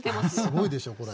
すごいでしょこれ。